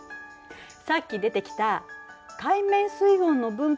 さっき出てきた海面水温の分布を思い出して。